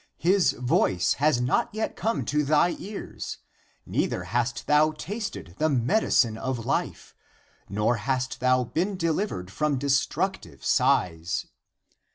His voice has not yet come to thy ears, neither hast thou tasted the medi cine of life, nor hast thou been delivered from destructive sighs.